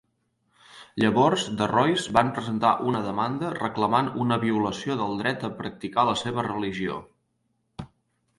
Llavors The Roys van presentar una demanda reclamant una violació del seu dret a practicar la seva religió.